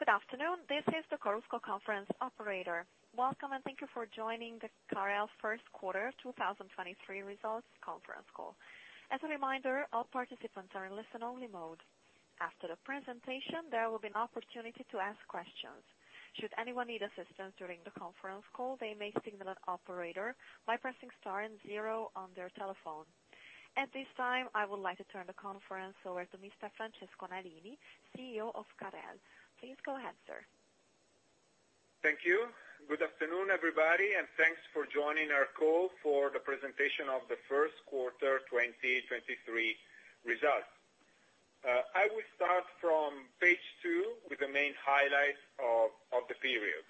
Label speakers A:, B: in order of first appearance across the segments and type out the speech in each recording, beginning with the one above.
A: Good afternoon. This is the Chorus Call conference operator. Welcome, and thank you for joining the Carel Q1 2023 results conference call. As a reminder, all participants are in listen-only mode. After the presentation, there will be an opportunity to ask questions. Should anyone need assistance during the conference call, they may signal an operator by pressing star and zero on their telephone. At this time, I would like to turn the conference over to Mr. Francesco Nalini, CEO of Carel. Please go ahead, sir.
B: Thank you. Good afternoon, everybody, and thanks for joining our call for the presentation of the Q1 2023 results. I will start from Page two with the main highlights of the period.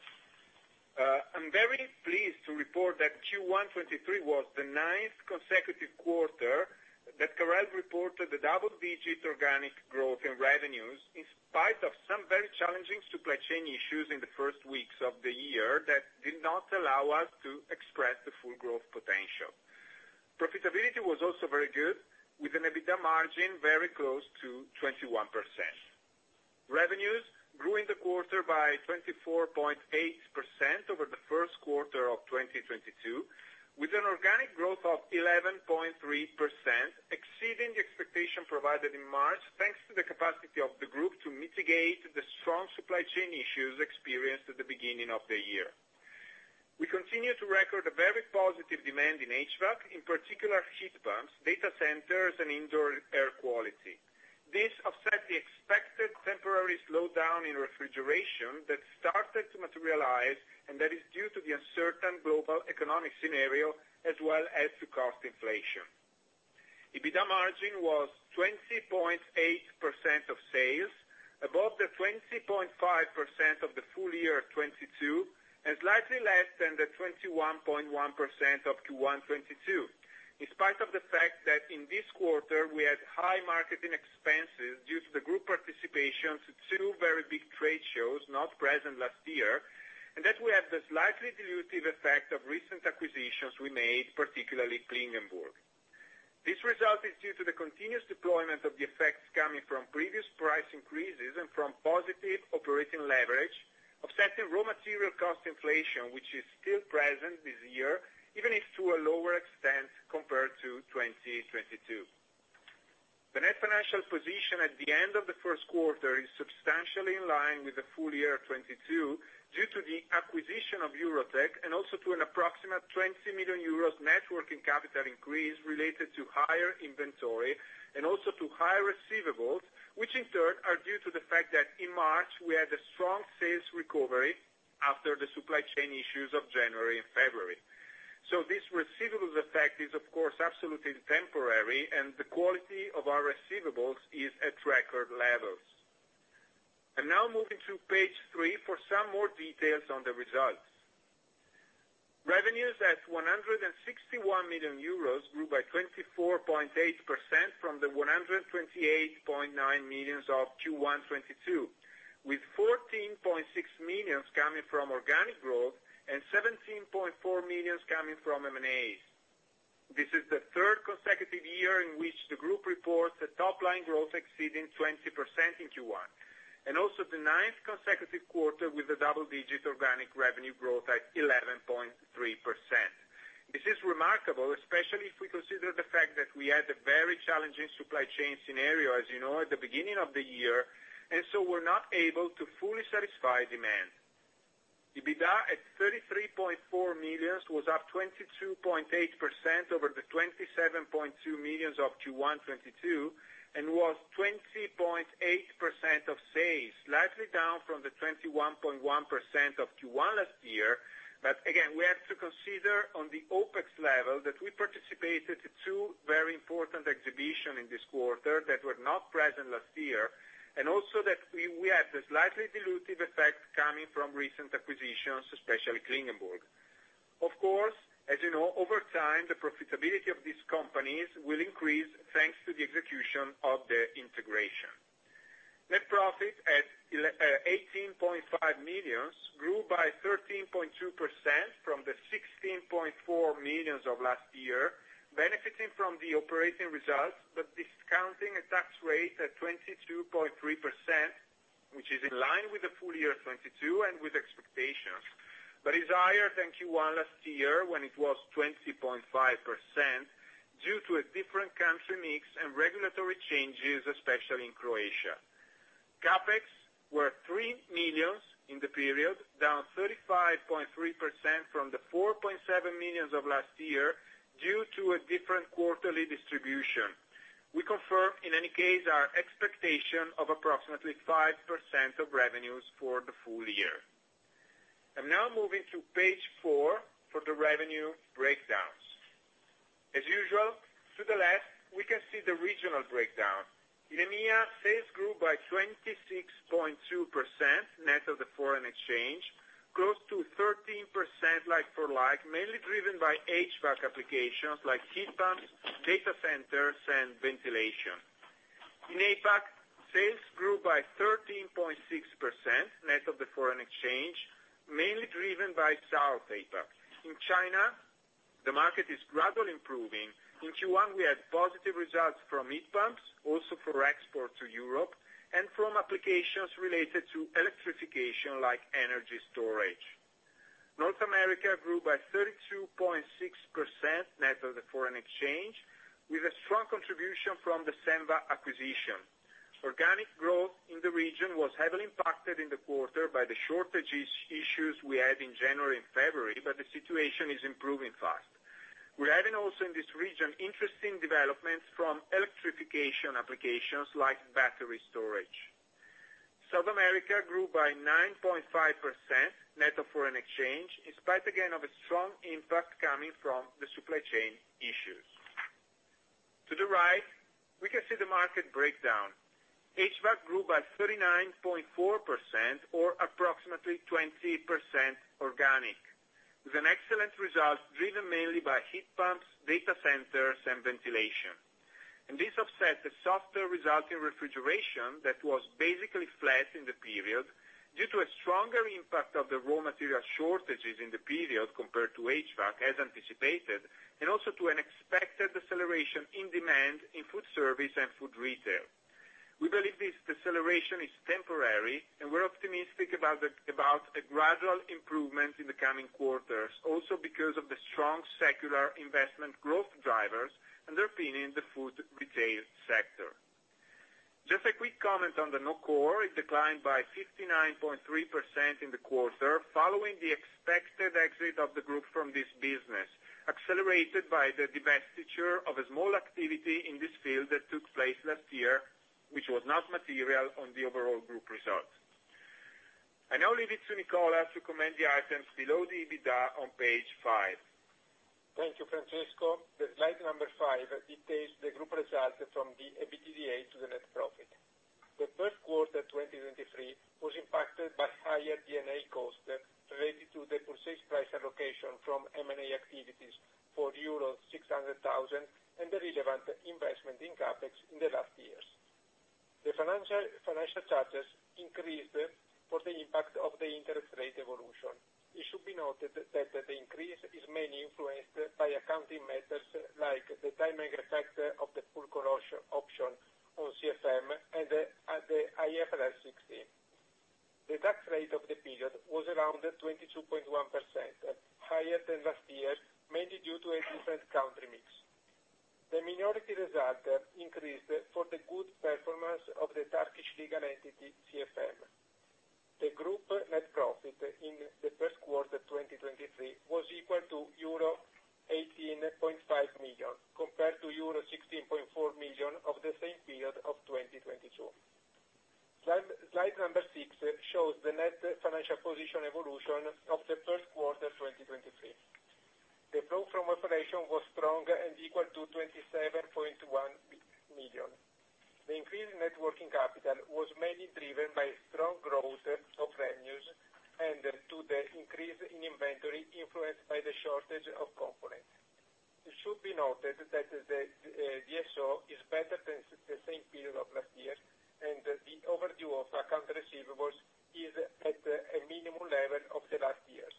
B: I'm very pleased to report that Q1 2023 was the ninth consecutive quarter that Carel reported a double-digit organic growth in revenues, in spite of some very challenging supply chain issues in the first weeks of the year that did not allow us to express the full growth potential. Profitability was also very good, with an EBITDA margin very close to 21%. Revenues grew in the quarter by 24.8% over the Q1 of 2022, with an organic growth of 11.3%, exceeding the expectation provided in March, thanks to the capacity of the group to mitigate the strong supply chain issues experienced at the beginning of the year. We continue to record a very positive demand in HVAC, in particular heat pumps, data centers, and indoor air quality. This offset the expected temporary slowdown in refrigeration that started to materialize, and that is due to the uncertain global economic scenario, as well as to cost inflation. EBITDA margin was 20.8% of sales, above the 20.5% of the full year of 2022, and slightly less than the 21.1% of Q1 2022. In spite of the fact that in this quarter we had high marketing expenses due to the group participation to two very big trade shows, not present last year, and that we have the slightly dilutive effect of recent acquisitions we made, particularly Klingenburg. This result is due to the continuous deployment of the effects coming from previous price increases and from positive operating leverage, offsetting raw material cost inflation, which is still present this year, even if to a lower extent compared to 2022. The net financial position at the end of the Q1 is substantially in line with the full year of 2022 due to the acquisition of Eurotec and also to an approximate 20 million euros net working capital increase related to higher inventory and also to higher receivables, which in turn are due to the fact that in March we had a strong sales recovery after the supply chain issues of January and February. This receivables effect is of course, absolutely temporary, and the quality of our receivables is at record levels. I'm now moving to Page three for some more details on the results. Revenues at 161 million euros grew by 24.8% from the 128.9 million of Q1 2022, with 14.6 million coming from organic growth and 17.4 million coming from M&As. This is the third consecutive year in which the group reports a top line growth exceeding 20% in Q1, and also the ninth consecutive quarter with a double-digit organic revenue growth at 11.3%. This is remarkable, especially if we consider the fact that we had a very challenging supply chain scenario, as you know, at the beginning of the year, and so we're not able to fully satisfy demand. EBITDA at 33.4 million was up 22.8% over the 27.2 million of Q1 2022 and was 20.8% of sales, slightly down from the 21.1% of Q1 last year. Again, we have to consider on the OpEx level that we participated in two very important exhibition in this quarter that were not present last year, and also that we had a slightly dilutive effect coming from recent acquisitions, especially Klingenburg. Of course, as you know, over time, the profitability of these companies will increase thanks to the execution of their integration. Net profit at 18.5 million grew by 13.2% from the 16.4 million of last year, benefiting from the operating results but discounting a tax rate at 22.3%, which is in line with the full year of 2022 and with expectations. Is higher than Q1 last year when it was 20.5% due to a different country mix and regulatory changes, especially in Croatia. CapEx were 3 million in the period, down 35.3% from the 4.7 million of last year due to a different quarterly distribution. We confirm, in any case, our expectation of approximately 5% of revenues for the full year. I'm now moving to Page four for the revenue breakdowns. As usual, to the left, we can see the regional breakdown. In EMEA, sales grew by 26.2% net of the foreign exchange, close to 13% like for like, mainly driven by HVAC applications like heat pumps, data centers, and ventilation. In APAC, sales grew by 13.6% net of the foreign exchange, mainly driven by HVAC. In China, the market is gradually improving. In Q1, we had positive results from heat pumps, also for export to Europe, and from applications related to electrification like energy storage. North America grew by 32.6% net of the foreign exchange, with a strong contribution from the Senva acquisition. Organic growth in the region was heavily impacted in the quarter by the shortages issues we had in January and February, but the situation is improving fast. We're having also in this region, interesting developments from electrification applications like battery storage. South America grew by 9.5% net of foreign exchange, in spite again, of a strong impact coming from the supply chain issues. To the right, we can see the market breakdown. HVAC grew by 39.4% or approximately 20% organic. It was an excellent result driven mainly by heat pumps, data centers and ventilation. This offsets the softer result in refrigeration that was basically flat in the period due to a stronger impact of the raw material shortages in the period compared to HVAC as anticipated, and also to an expected deceleration in demand in food service and food retail. We believe this deceleration is temporary, and we're optimistic about a gradual improvement in the coming quarters, also because of the strong secular investment growth drivers and their opinion in the food retail sector. Just a quick comment on the no core. It declined by 59.3% in the quarter following the expected exit of the group from this business, accelerated by the divestiture of a small activity in this field that took place last year, which was not material on the overall group results. I now leave it to Nicola to comment the items below the EBITDA on Page five.
C: Thank you, Francesco. The Slide five details the group results from the EBITDA to the net profit. The Q1, 2023 was impacted by higher D&A costs related to the purchase price allocation from M&A activities for euro 600,000 and the relevant investment in CapEx in the last years. The financial charges increased for the impact of the interest rate evolution. It should be noted that the increase is mainly influenced by accounting matters like the timing effect of the full consolidation option on CFM, and at the IFRS 16. The tax rate of the period was around 22.1%, higher than last year, mainly due to a different country mix. The minority result increased for the good performance of the Turkish legal entity, CFM. The group net profit in the Q1 2023 was equal to euro 18.5 million compared to euro 16.4 million of the same period of 2022. Slide six shows the net financial position evolution of the Q1 2023. The flow from operation was strong and equal to 27.1 million. The increase in net working capital was mainly driven by strong growth of revenues and to the increase in inventory influenced by the shortage of components. It should be noted that the DSO is better than the same period of last year, and the overdue of account receivables is at a minimum level of the last years.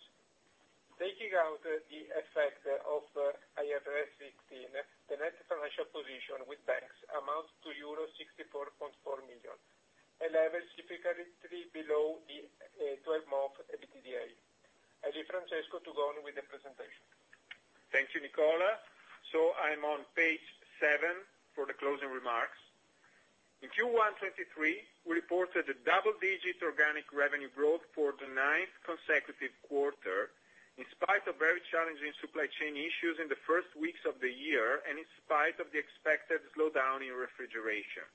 C: Taking out the effect of IFRS 16, the net financial position with banks amounts to euro 64.4 million, a level significantly below the twelve-month EBITDA. I leave Francesco to go on with the presentation.
B: Thank you, Nicola. I'm on Page seven for the closing remarks. In Q1 2023, we reported a double-digit organic revenue growth for the ninth consecutive quarter, in spite of very challenging supply chain issues in the first weeks of the year and in spite of the expected slowdown in refrigeration.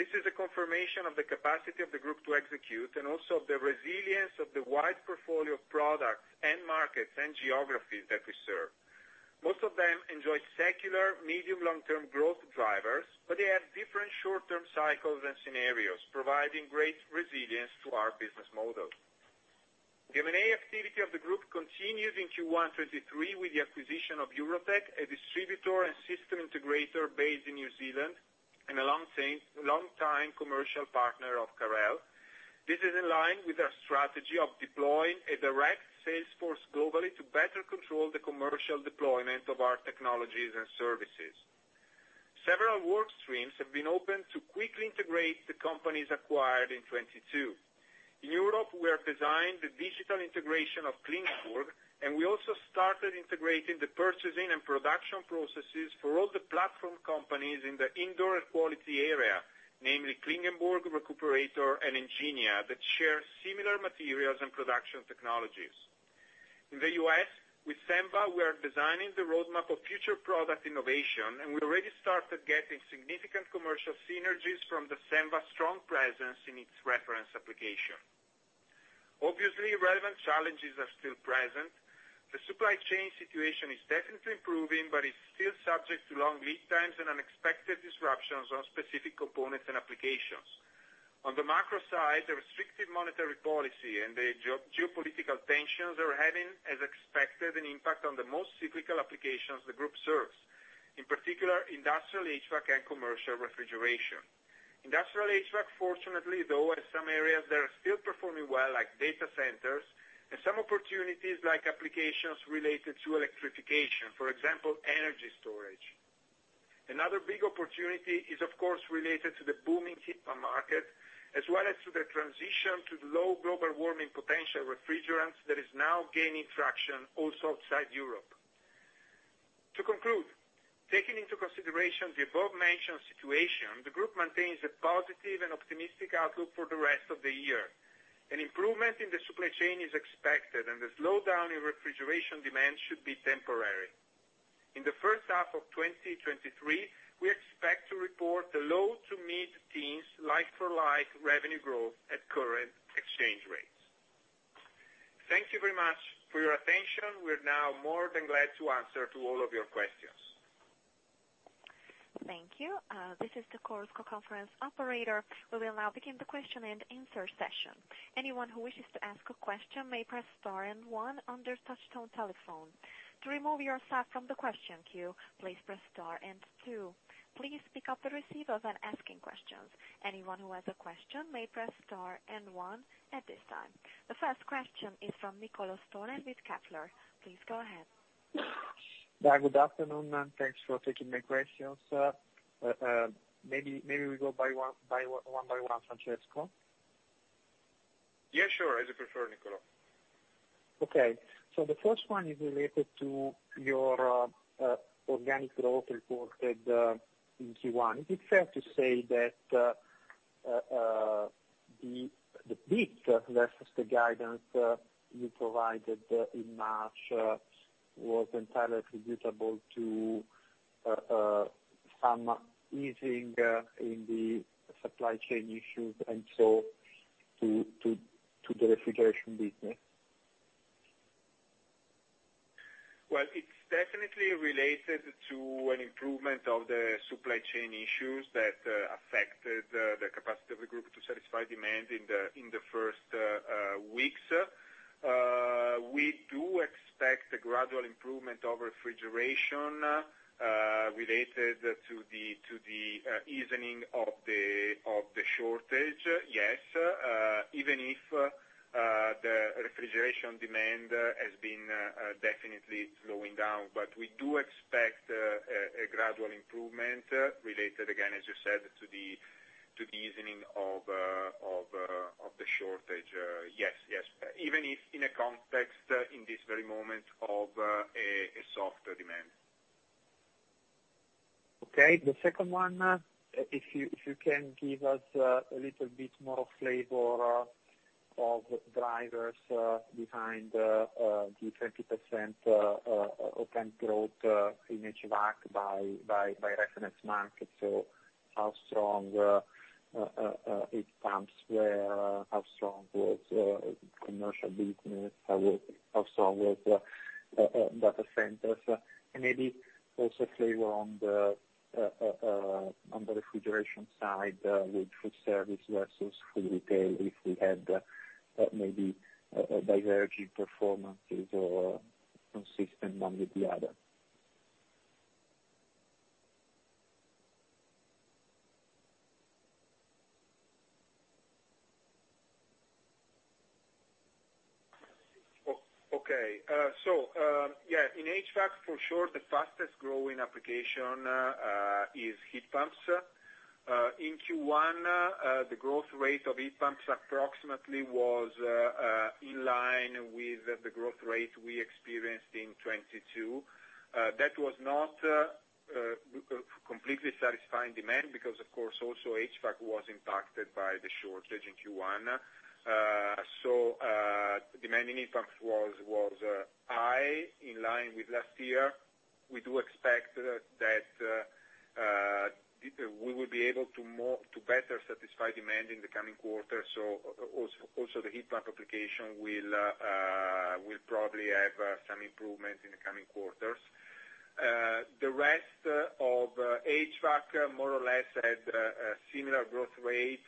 B: This is a confirmation of the capacity of the group to execute and also of the resilience of the wide portfolio of products and markets and geographies that we serve. Most of them enjoy secular, medium, long-term growth drivers, but they have different short-term cycles and scenarios, providing great resilience to our business model. The M&A activity of the group continued in Q1 2023 with the acquisition of Eurotec, a distributor and system integrator based in New Zealand and a long-time commercial partner of Carel. This is in line with our strategy of deploying a direct sales force globally to better control the commercial deployment of our technologies and services. Several work streams have been opened to quickly integrate the companies acquired in 2022. In Europe, we have designed the digital integration of Klingenburg. We also started integrating the purchasing and production processes for all the platform companies in the indoor air quality area, namely Klingenburg, Recuperator and Enginia, that share similar materials and production technologies. In the U.S., with Senva, we are designing the roadmap of future product innovation. We already started getting significant commercial synergies from the Senva strong presence in its reference application. Obviously, relevant challenges are still present. The supply chain situation is definitely improving. It's still subject to long lead times and unexpected disruptions on specific components and applications. On the macro side, the restrictive monetary policy and the geopolitical tensions are having, as expected, an impact on the most cyclical applications the group serves. In particular, industrial HVAC and commercial refrigeration. Industrial HVAC, fortunately though, in some areas that are still performing well, like data centers, and some opportunities like applications related to electrification, for example, energy storage. Another big opportunity is of course, related to the booming TIPA market, as well as to the transition to the low global warming potential refrigerants that is now gaining traction also outside Europe. To conclude, taking into consideration the above-mentioned situation, the group maintains a positive and optimistic outlook for the rest of the year. An improvement in the supply chain is expected, and the slowdown in refrigeration demand should be temporary. In the first half of 2023, we expect to report the low to mid-teens like-for-like revenue growth at current exchange rates. Thank you very much for your attention. We are now more than glad to answer to all of your questions.
A: Thank you. This is the Chorus Call conference operator. We will now begin the question and answer session. Anyone who wishes to ask a question may press star and one on their touch-tone telephone. To remove yourself from the question queue, please press star and two. Please pick up the receiver when asking questions. Anyone who has a question may press star and one at this time. The first question is from Niccolò Storer with Kepler. Please go ahead.
D: Yeah, good afternoon, and thanks for taking my questions. Maybe we go by one by one, Francesco.
B: Yeah, sure. As you prefer, Niccolò.
D: Okay. The first one is related to your organic growth reported in Q1. Is it fair to say that the beat versus the guidance you provided in March was entirely attributable to some easing in the supply chain issues, and so to the refrigeration business?
B: Well, it's definitely related to an improvement of the supply chain issues that affected the capacity of the group to satisfy demand in the first weeks. We do expect a gradual improvement of refrigeration related to the easing of the shortage. Yes, even if the refrigeration demand has been definitely slowing down. We do expect a gradual improvement related, again, as you said, to the easing of the shortage. Yes, yes. Even if in a context, in this very moment of a softer demand.
D: Okay. The second one, if you can give us a little bit more flavor of drivers behind the 20% organic growth in HVAC by reference market. How strong heat pumps were? How strong was commercial business? How strong was data centers? Maybe also flavor on the refrigeration side with food service versus food retail, if we had maybe a diverging performance or consistent one with the other.
B: Okay. Yeah. In HVAC, for sure, the fastest growing application is heat pumps. In Q1, the growth rate of heat pumps approximately was in line with the growth rate we experienced in 2022. That was not completely satisfying demand because of course also HVAC was impacted by the shortage in Q1. Demand in heat pumps was high in line with last year. We do expect that we will be able to more, to better satisfy demand in the coming quarters. Also the heat pump application will probably have some improvements in the coming quarters. The rest of HVAC more or less had a similar growth rates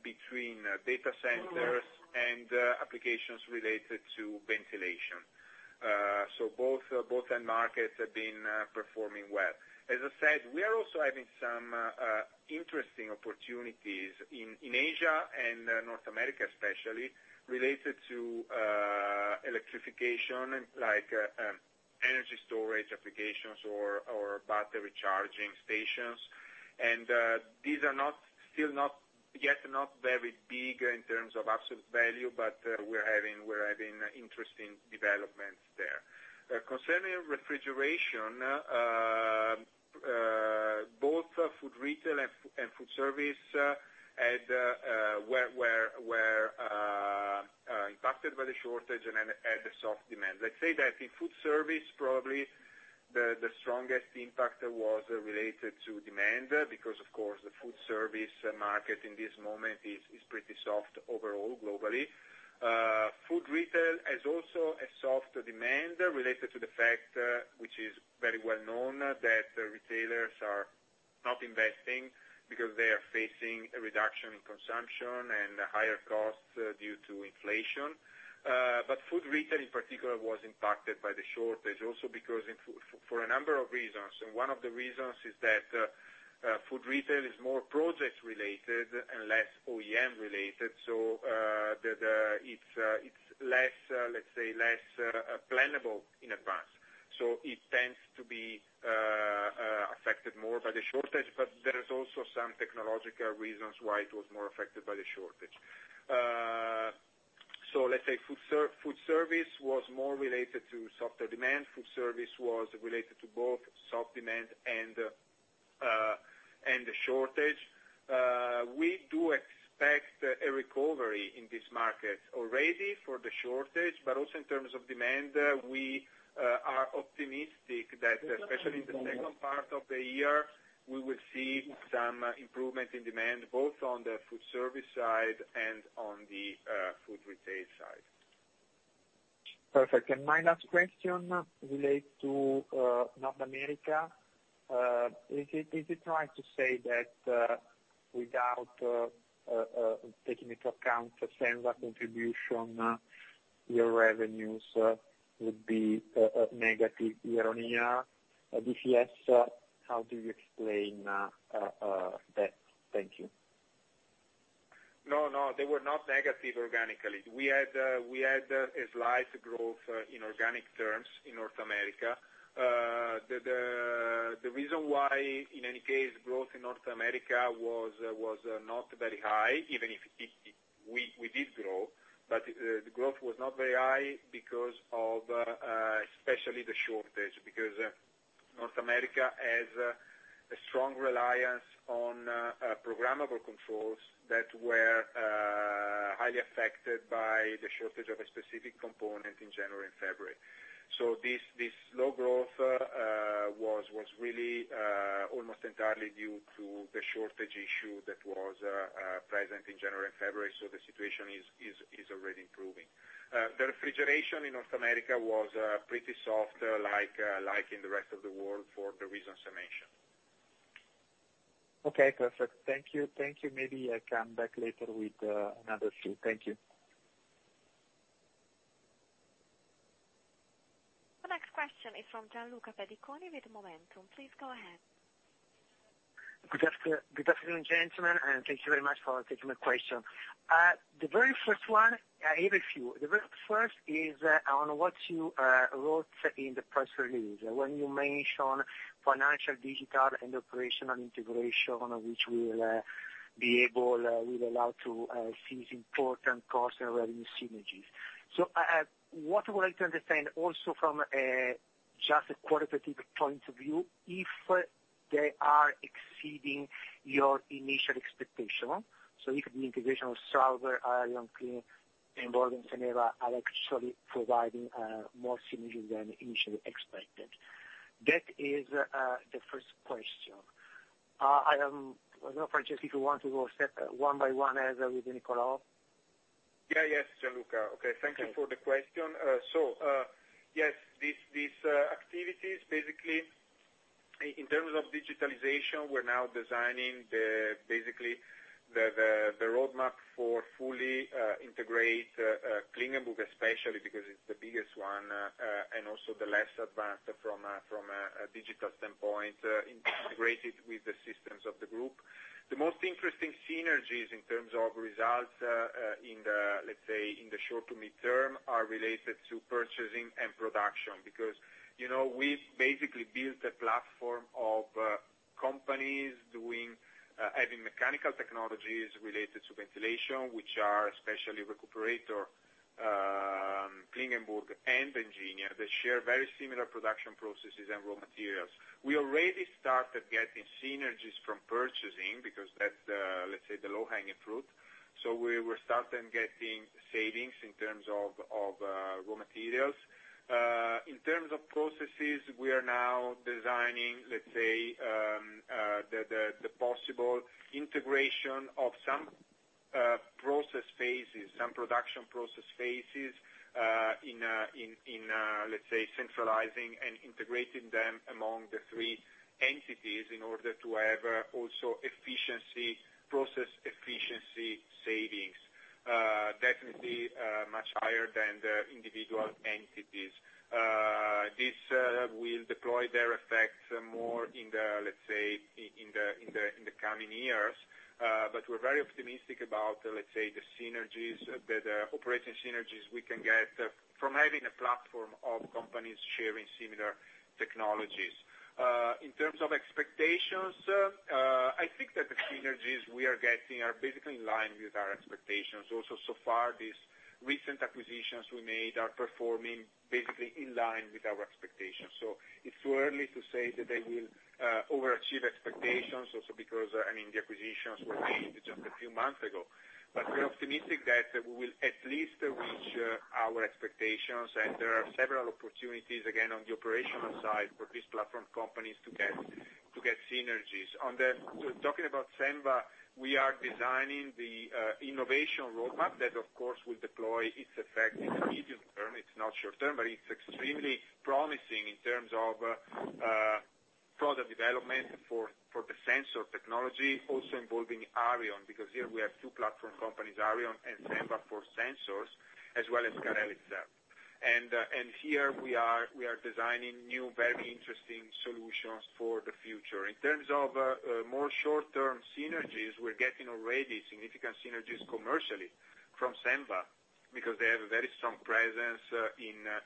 B: between data centers and applications related to ventilation. Both end markets have been performing well. As I said, we are also having some interesting opportunities in Asia and North America especially, related to electrification, like energy storage applications or battery charging stations. These are not, still not, yet not very big in terms of absolute value, but we're having interesting developments there. Concerning refrigeration, both food retail and food service were impacted by the shortage and had a soft demand. Let's say that in food service, probably the strongest impact was related to demand because of course, the food service market in this moment is pretty soft overall globally. Food retail has also a softer demand related to the fact, which is very well known, that retailers are not investing because they are facing a reduction in consumption and higher costs due to inflation. Food retail in particular was impacted by the shortage also because for a number of reasons, and one of the reasons is that food retail is more project related and less OEM related. It's less, let's say less, plannable in advance. It tends to be affected more by the shortage. There is also some technological reasons why it was more affected by the shortage. Let's say food service was more related to softer demand. Food service was related to both soft demand and the shortage. We do expect a recovery in this market already for the shortage, but also in terms of demand, we are optimistic that especially in the second part of the year, we will see some improvement in demand, both on the food service side and on the food retail side.
D: Perfect. My last question relates to North America. Is it right to say that without taking into account the Senva contribution, your revenues would be negative year-on-year? If yes, how do you explain that? Thank you.
B: No, they were not negative organically. We had a slight growth in organic terms in North America. The reason why in any case, growth in North America was not very high, even if we did grow, but the growth was not very high because of especially the shortage, because North America has a strong reliance on programmable controls that were highly affected by the shortage of a specific component in January and February. This slow growth was really almost entirely due to the shortage issue that was present in January and February. The situation is already improving. The refrigeration in North America was pretty soft like in the rest of the world for the reasons I mentioned.
D: Okay, perfect. Thank you. Thank you. Maybe I come back later with another few. Thank you.
A: The next question is from Gianluca Pediconi with Momentum. Please go ahead.
E: Good afternoon, gentlemen, and thank you very much for taking my question. The very first one, I have a few. The very first is on what you wrote in the press release when you mention financial, digital and operational integration, which will be able, will allow to seize important cost and revenue synergies. What would like to understand also from just a qualitative point of view, if they are exceeding your initial expectation. If the integration of Sauber, Arion, Klingenburg and Senva are actually providing more synergies than initially expected. That is the first question. I don't know, Francesco, if you want to go step one by one as with Nicola.
B: Yes, Gianluca. Okay. Thank you for the question. Yes, these activities basically in terms of digitalization, we're now designing basically the roadmap for fully integrate Klingenburg especially because it's the biggest one and also the less advanced from a digital standpoint, integrated with the systems of the group. The most interesting synergies in terms of results, let's say in the short to mid-term, are related to purchasing and production. You know, we basically built a platform of companies doing having mechanical technologies related to ventilation, which are especially Recuperator, Klingenburg and Enginia, that share very similar production processes and raw materials. We already started getting synergies from purchasing because that's, let's say, the low-hanging fruit. We're starting getting savings in terms of raw materials. In terms of processes, we are now designing, let's say, the possible integration of some process phases, some production process phases in, let's say, centralizing and integrating them among the three entities in order to have also efficiency, process efficiency savings, definitely much higher than the individual entities. This will deploy their effects more in the, let's say, in the coming years. We're very optimistic about, let's say, the synergies that are operation synergies we can get from having a platform of companies sharing similar technologies. In terms of expectations, I think that the synergies we are getting are basically in line with our expectations. So far, these recent acquisitions we made are performing basically in line with our expectations. It's too early to say that they will overachieve expectations also because, I mean, the acquisitions were made just a few months ago. We're optimistic that we will at least reach our expectations. There are several opportunities, again, on the operational side for these platform companies to get synergies. Talking about Senva, we are designing the innovation roadmap that of course will deploy its effect in the medium term. It's not short term, but it's extremely promising in terms of product development for the sensor technology also involving Arion, because here we have two platform companies, Arion and Senva for sensors, as well as Carel itself. Here we are designing new, very interesting solutions for the future. In terms of more short term synergies, we're getting already significant synergies commercially from Senva, because they have a very strong presence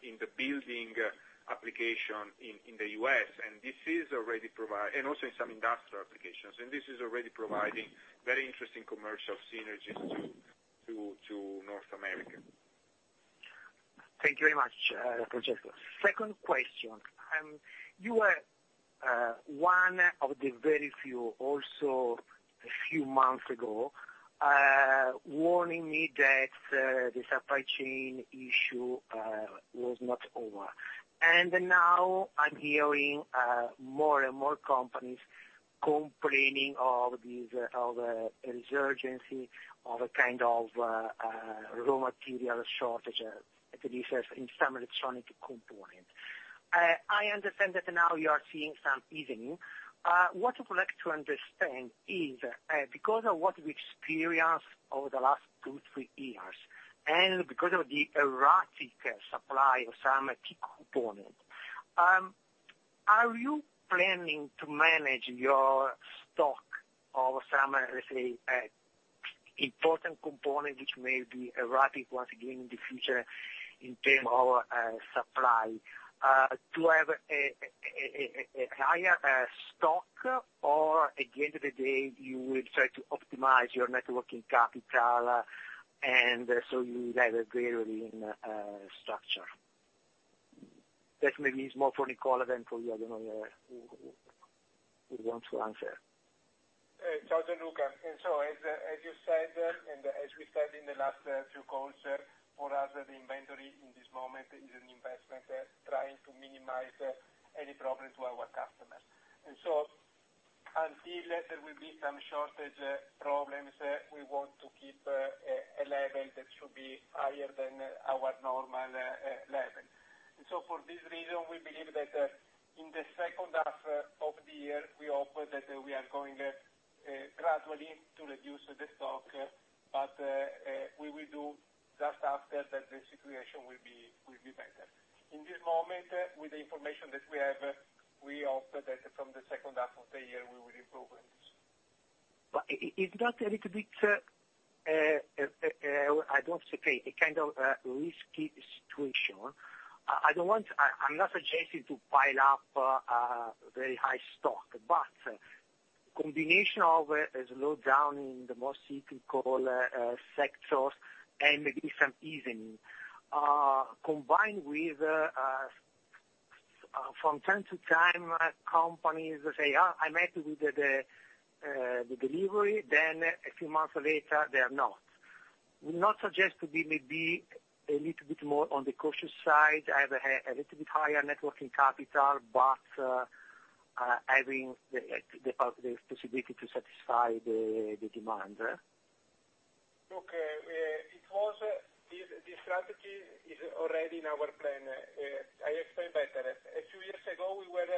B: in the building application in the U.S. Also in some industrial applications, this is already providing very interesting commercial synergies to North America.
E: Thank you very much, Francesco. Second question, you were one of the very few, also a few months ago, warning me that the supply chain issue was not over. Now I'm hearing more and more companies complaining of these, of resurgence, of a kind of raw material shortage, at least in some electronic component. I understand that now you are seeing some easing. What I would like to understand is, because of what we experienced over the last two, three years, and because of the erratic supply of some key component, are you planning to manage your stock of some, let's say, important component which may be erratic once again in the future in term of supply, to have a higher stock? At the end of the day, you will try to optimize your net working capital, and so you will have a greater structure? That maybe is more for Nicola than for you. I don't know who wants to answer.
B: Sure, Gianluca. As, as you said, and as we said in the last few calls, for us, the inventory in this moment is an investment, trying to minimize any problems to our customers. Until there will be some shortage problems, we want to keep a level that should be higher than our normal level. For this reason, we believe that in the second half of the year, we hope that we are going gradually to reduce the stock. We will do just after that the situation will be better. In this moment, with the information that we have, we hope that from the second half of the year we will improve on this.
E: Is that a little bit, I don't say, a kind of, risky situation? I'm not suggesting to pile up a very high stock, but combination of a slowdown in the most cyclical sectors and maybe some easing combined with from time to time companies say, "I met with the delivery," then a few months later they are not. Would you not suggest to be maybe a little bit more on the cautious side, have a little bit higher networking capital, but having the possibility to satisfy the demand?
B: Look, it was. This strategy is already in our plan. I explain better. A few years ago, we were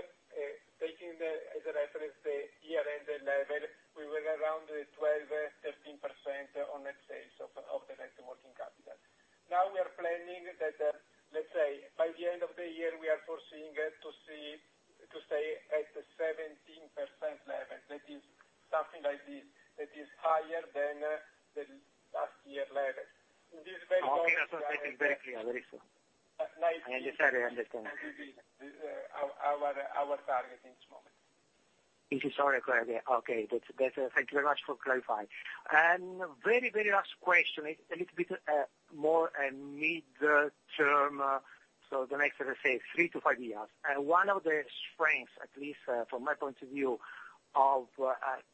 B: taking the, as a reference, the year-end level. We were around 12%-13% on net sales of the net working capital. Now we are planning that, let's say, by the end of the year, we are foreseeing to stay at 17% level. That is something like this. That is higher than the last year levels. This very-
E: Okay, that was very clear. Very clear.
B: Like-
E: I understand. I understand.
B: Our target in this moment.
E: It is all clear. Okay. That's it. Thank you very much for clarifying. Very last question. It's a little bit more a mid-term, so let's say three to five years. One of the strengths, at least, from my point of view of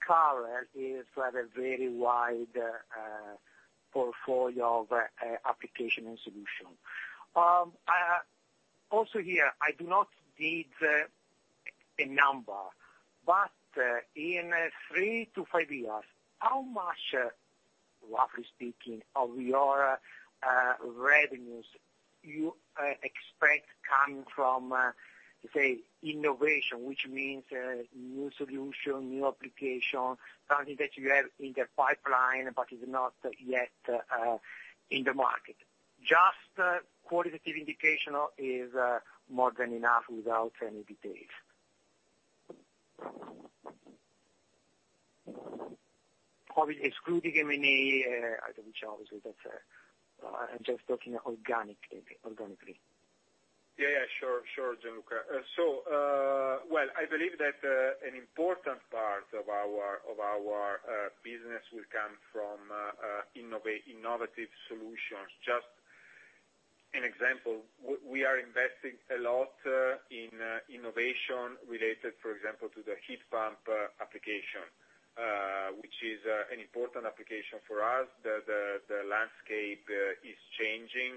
E: Carel is you have a very wide portfolio of application and solution. Also here, I do not need a number, but in three to five years, how much, roughly speaking, of your revenues you expect coming from, say innovation, which means a new solution, new application, something that you have in the pipeline but is not yet in the market? Just a qualitative indication is more than enough without any details. Probably excluding M&A, I don't know which obviously. I'm just talking organically.
B: Yeah, yeah, sure, Gianluca. Well, I believe that an important part of our, of our, business will come from innovative solutions. Just an example, we are investing a lot, in, innovation related, for example, to the heat pump, application, which is, an important application for us. The landscape, is changing.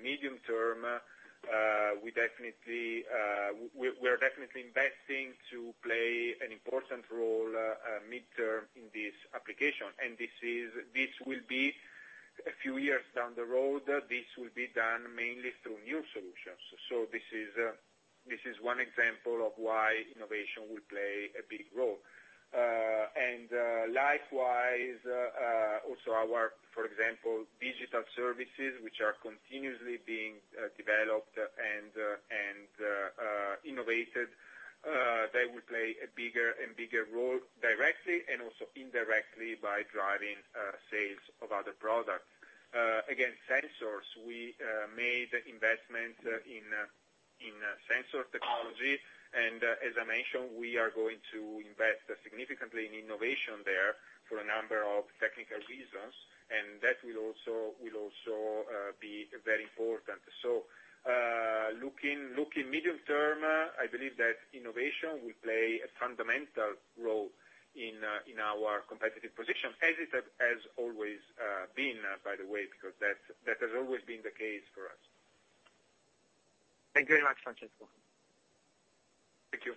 B: Medium term, we definitely, we're definitely investing to play an important role, mid-term in this application, and this is, this will be. A few years down the road, this will be done mainly through new solutions. This is, this is one example of why innovation will play a big role. Likewise, also our, for example, digital services, which are continuously being developed and innovated, they will play a bigger and bigger role directly and also indirectly by driving sales of other products. Again, sensors, we made investment in sensor technology, and as I mentioned, we are going to invest significantly in innovation there for a number of technical reasons, and that will also be very important. Looking medium term, I believe that innovation will play a fundamental role in our competitive position, as it has always been, by the way, because that has always been the case for us.
E: Thank you very much, Francesco.
B: Thank you.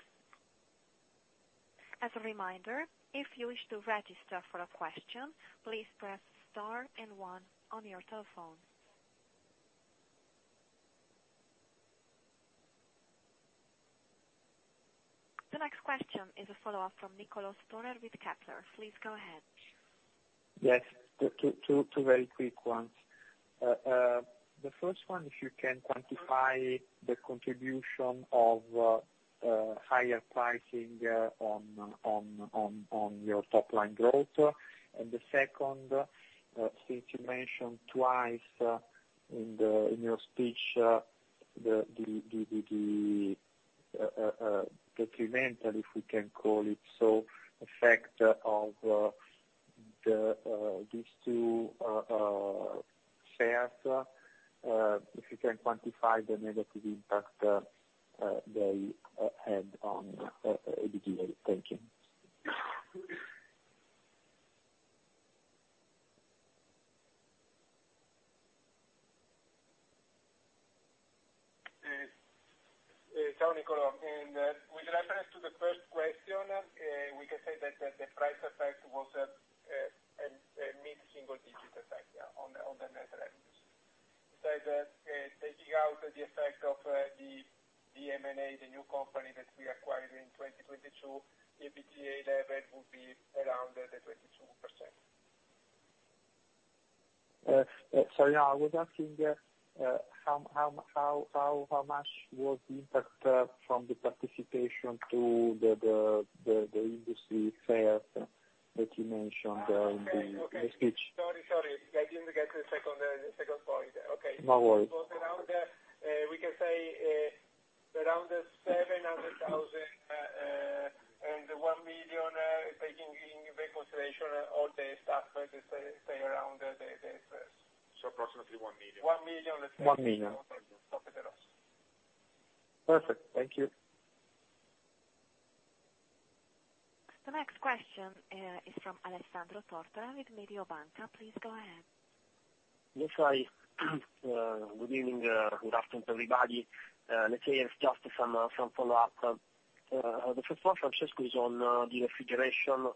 A: As a reminder, if you wish to register for a question, please press star and one on your telephone. The next question is a follow-up from Niccolò Storer with Kepler. Please go ahead.
D: Yes. Two very quick ones. The first one, if you can quantify the contribution of higher pricing on your top line growth. The second, since you mentioned twice in your speech, the detrimental, if we can call it so, effect of the these two shares, if you can quantify the negative impact they had on EBITDA. Thank you.
B: Ciao, Niccolò. With reference to the first question, we can say that the price effect was a mid single digit effect, yeah, on the, on the net revenues. Taking out the effect of, the M&A, the new company that we acquired in 2022, EBITDA level would be around, the 22%.
D: Sorry, I was asking, how much was the impact, from the participation to the industry fair that you mentioned, in the speech?
B: Okay. Sorry. I didn't get the second point. Okay.
D: No worries.
B: It was around, we can say, around 700,000, and 1 million, taking in consideration all the staff expenses, say around the.
D: Approximately 1 million.
B: 1 million, let's say.
D: 1 million.
B: Okay. That was.
D: Perfect. Thank you.
A: The next question, is from Alessandro Tortora with Mediobanca. Please go ahead.
F: Yes. Hi. Good evening, good afternoon, everybody. Let's say it's just some follow-up. The first one, Francesco, is on the refrigeration.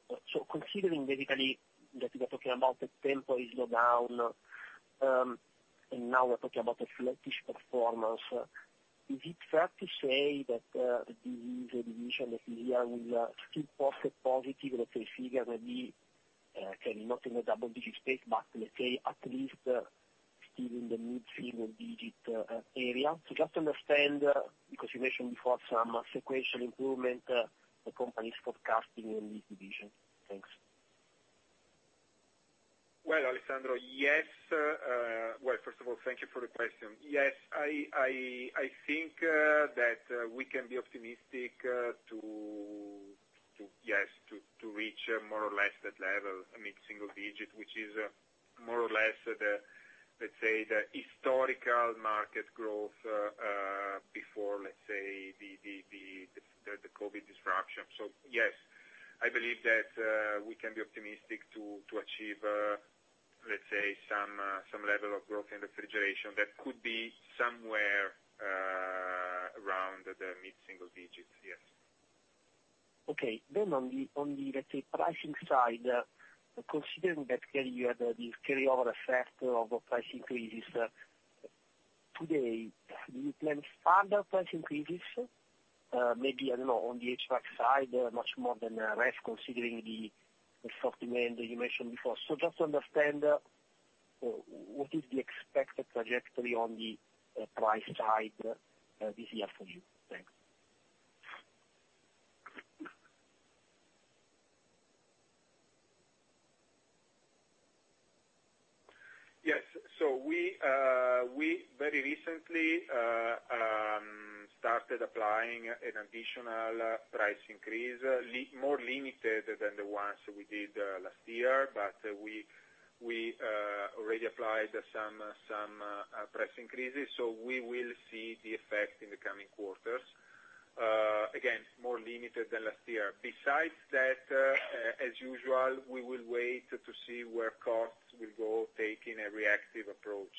F: Considering that Italy, that you were talking about that tempo is low down, and now we're talking about a flattish performance, is it fair to say that the division that Italia will still post a positive, let's say, figure maybe, okay, not in the double-digit space, but, let's say, at least still in the mid-single-digit area? To just understand, because you mentioned before some sequential improvement, the company's forecasting in this division. Thanks.
B: Well, Alessandro, yes. Well, first of all, thank you for the question. Yes, I think that we can be optimistic to, yes, to reach more or less that level, a mid single digit, which is more or less the, let's say, the historical market growth before, let's say, the COVID disruption. Yes, I believe that we can be optimistic to achieve, let's say, some level of growth in refrigeration that could be somewhere around the mid single digits. Yes.
F: On the, let's say, pricing side, considering that you had the carryover effect of price increases today, do you plan further price increases, maybe, I don't know, on the HVAC side, much more than ref, considering the soft demand that you mentioned before? Just to understand what is the expected trajectory on the price side this year for you? Thanks.
B: Yes. We very recently started applying an additional price increase, more limited than the ones we did last year, but we already applied some price increases. We will see the effect in the coming quarters. Again, more limited than last year. Besides that, as usual, we will wait to see where costs will go, taking a reactive approach.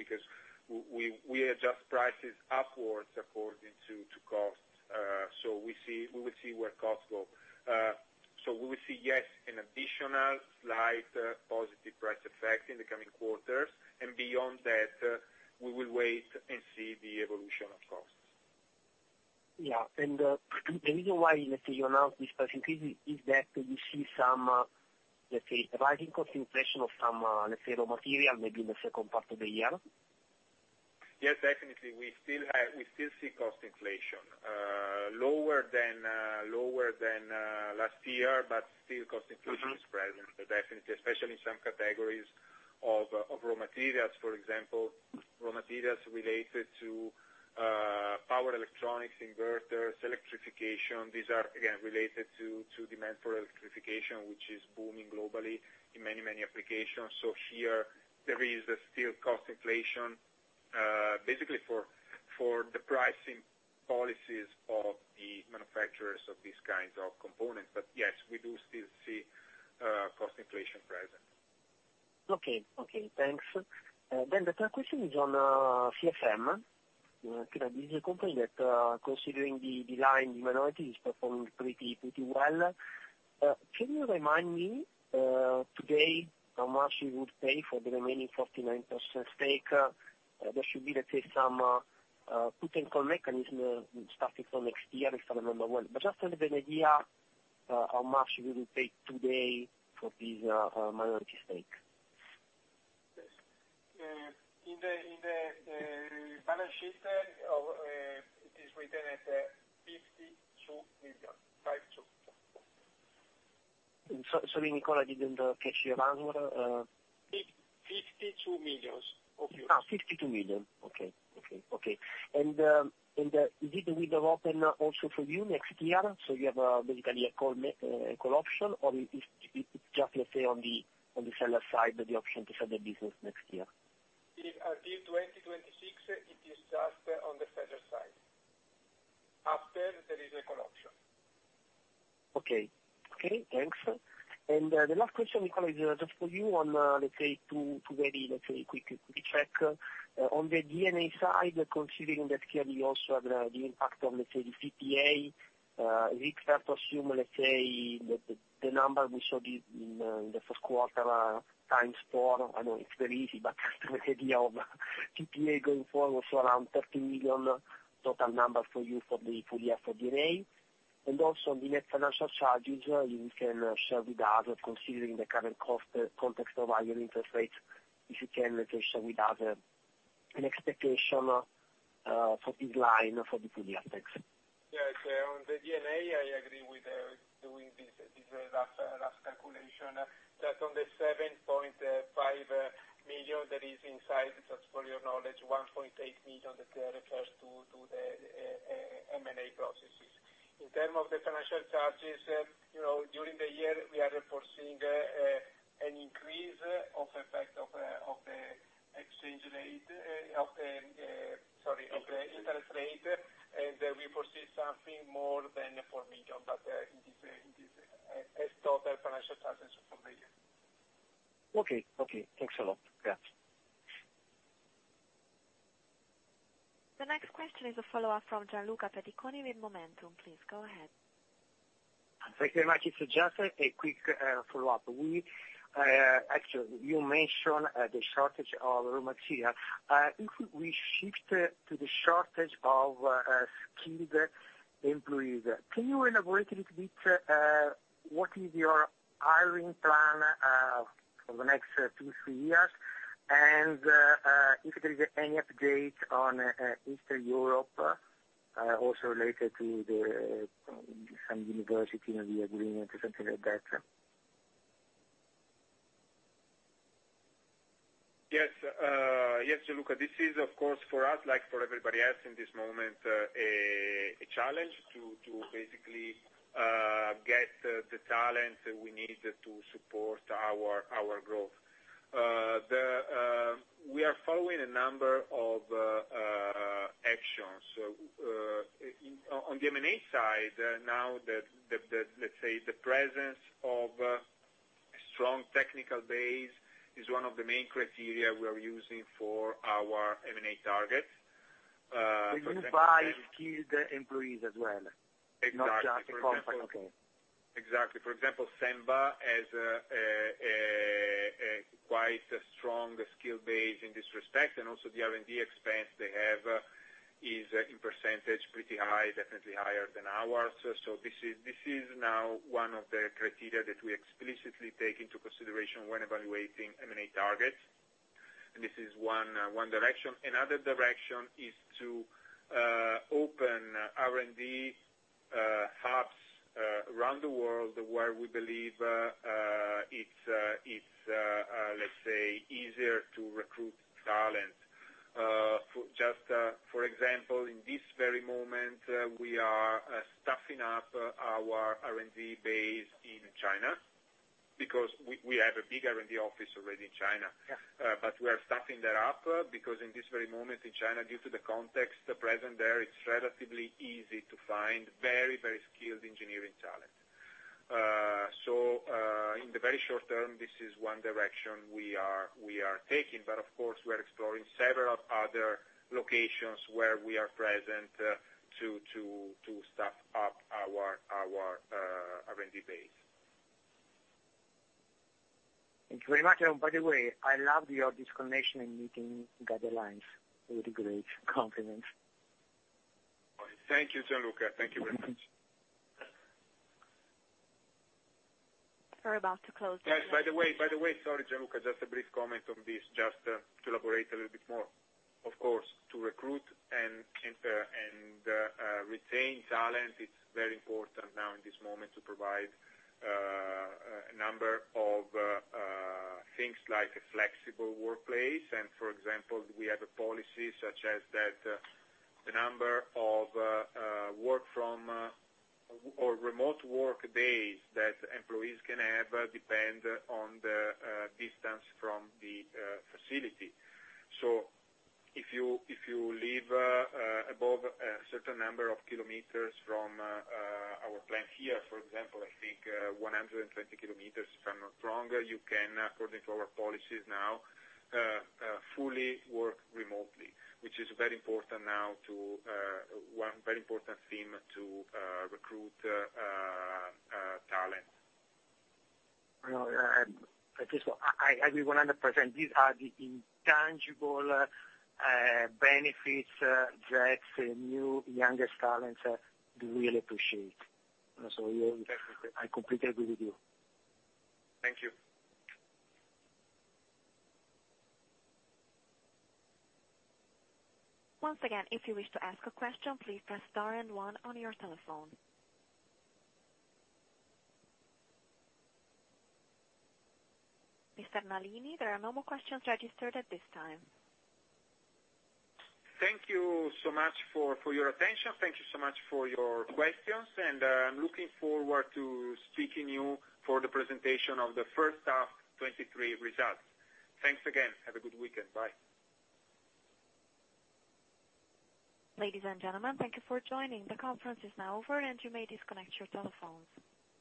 B: Because we adjust prices upwards according to cost. We will see where costs go. We will see, yes, an additional slight positive price effect in the coming quarters and beyond that, we will wait and see the evolution, of course.
F: Yeah. The reason why, let's say, you announced this price increase is that you see some, let's say, rising cost inflation of some, let's say raw material, maybe in the second part of the year?
B: Yes, definitely. We still see cost inflation, lower than last year, but still cost inflation.
F: Mm-hmm.
G: -is present, definitely, especially in some categories of raw materials. For example, raw materials related to power electronics, inverters, electrification. These are, again, related to demand for electrification, which is booming globally in many, many applications. Here there is a still cost inflation, basically for the pricing policies of the manufacturers of these kinds of components. Yes, we do still see cost inflation present.
F: Okay. Okay, thanks. The third question is on CFM. This is a company that, considering the line minority is performing pretty well. Can you remind me today, how much you would pay for the remaining 49% stake? There should be, let's say some put and call mechanism, starting from next year, from number 1. Just to have an idea, how much you will pay today for this minority stake.
G: Yes. In the balance sheet, it is written as, 52 million. 52.
F: Sorry Nicola, I didn't catch your number.
B: 52 million
F: euros. 52 million. Okay. Okay. Okay. Is it window open also for you next year? You have basically a call option or it's just let's say on the, on the seller side, the option to sell the business next year?
B: If until 2026, it is just on the seller side. After, there is a call option.
F: Okay. Okay, thanks. The last question, Nicola, is just for you on let's say two very quick check. On the D&A side, considering that clearly also the impact of let's say the CPA, is it fair to assume let's say the number we saw in the Q1 times four? I know it's very easy, but just an idea of CPA going forward, so around 30 million total number for you for the full year for D&A. Also the net financial charges, you can share with us, considering the current cost context of higher interest rates, if you can let's say share with us, an expectation for this line for the full year effects?
B: Yes. On the D&A, I agree with doing this rough calculation. Just on the 7.5 million that is inside, just for your knowledge, 1.8 million that there refers to the M&A processes. In terms of the financial charges, you know, during the year, we are foreseeing an increase of effect of the exchange rate, of the, sorry, of the interest rate, and we foresee something more than 4 million, but in this, in this as total financial charges for the year.
F: Okay. Okay, thanks a lot. Yeah.
A: The next question is a follow-up from Gianluca Pediconi with Momentum. Please go ahead.
E: Thank you very much. It's just a quick follow-up. We actually, you mentioned the shortage of raw material. If we shift to the shortage of skilled employees, can you elaborate a little bit what is your hiring plan for the next two, three years? If there is any update on Eastern Europe, also related to the, some university, you know, the agreement or something like that?
B: Yes, yes, Gianluca. This is of course, for us, like for everybody else in this moment, a challenge to basically get the talent we need to support our growth. The, we are following a number of actions. On the M&A side, now that, the, let's say the presence of a strong technical base is one of the main criteria we are using for our M&A target.
E: When you buy skilled employees as well?
B: Exactly.
E: Not just the company. Okay.
B: Exactly. For example, Senva has a quite strong skill base in this respect, also the R&D expense they have is in percentage, pretty high, definitely higher than ours. This is now one of the criteria that we explicitly take into consideration when evaluating M&A targets, and this is one direction. Another direction is to open R&D hubs around the world where we believe it's let's say easier to recruit talent. For just for example, in this very moment, we are staffing up our R&D base in China because we have a big R&D office already in China.
E: Yeah.
B: We are staffing that up, because in this very moment in China, due to the context present there, it's relatively easy to find very, very skilled engineering talent. In the very short term, this is one direction we are, we are taking. Of course, we are exploring several other locations where we are present, to, to staff up our, R&D base.
E: Thank you very much. By the way, I loved your disconnection and meeting guidelines. Really great compliment.
B: Thank you, Gianluca. Thank you very much.
A: We're about to close the-
B: Yes, by the way, sorry, Gianluca, just a brief comment on this, just to elaborate a little bit more. Of course, to recruit and to retain talent, it's very important now in this moment to provide a number of things like a flexible workplace. For example, we have a policy such as that the number of work from or remote work days that employees can have depend on the distance from the facility. If you live above a certain number of kilometers from our plant here, for example, I think 120 km, if I'm not wrong, you can, according to our policies now, fully work remotely, which is very important now to one very important theme to recruit talent.
E: No, at this point, I agree 100%. These are the intangible, benefits, that new younger talents, do really appreciate. yeah.
B: Definitely.
E: I completely agree with you.
B: Thank you.
A: Once again, if you wish to ask a question, please press star and one on your telephone. Mr. Nalini, there are no more questions registered at this time.
B: Thank you so much for your attention. Thank you so much for your questions. I'm looking forward to speaking to you for the presentation of the first half 2023 results. Thanks again. Have a good weekend. Bye.
A: Ladies and gentlemen, thank you for joining. The conference is now over, and you may disconnect your telephones.